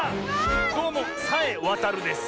どうもさえわたるです。